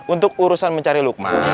untuk urusan mencari lukman